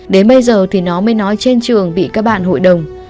đến bây giờ thì nó mới nói trên trường bị các bạn hội đồng